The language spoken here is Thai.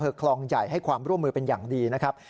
คลองใหญ่ให้ความร่วมมือเป็นอย่างดีนะครับ